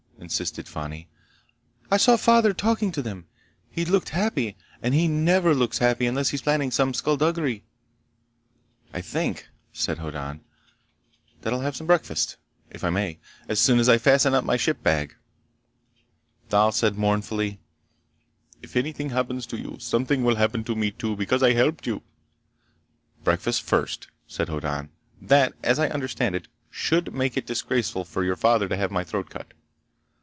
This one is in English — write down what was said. insisted Fani. "I saw Father talking to them! He looked happy, and he never looks happy unless he's planning some skulduggery!" "I think," said Hoddan, "that I'll have some breakfast, if I may. As soon as I fasten up my ship bag." Thal said mournfully: "If anything happens to you, something will happen to me too, because I helped you." "Breakfast first," said Hoddan. "That, as I understand it, should make it disgraceful for your father to have my throat cut.